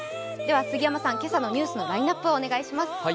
杉山さん、今朝のニュースのラインナップをお願いします。